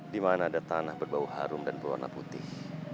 di mana ada tanah berbau harum dan pewarna putih